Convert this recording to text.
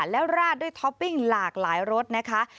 แล้วราดด้วยท็อปปิ้งหลากหลายรสนะคะ